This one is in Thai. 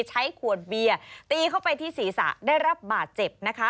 ใช้ขวดเบียร์ตีเข้าไปที่ศีรษะได้รับบาดเจ็บนะคะ